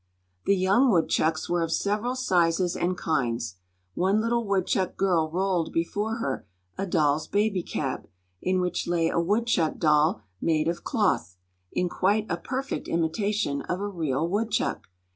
The young woodchucks were of several sizes and kinds. One little woodchuck girl rolled before her a doll's baby cab, in which lay a woodchuck doll made of cloth, in quite a perfect imitation of a real woodchuck.